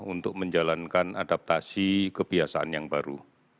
untuk menjalankan adaptasi kebiasaan yang baru